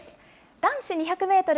男子２００メートル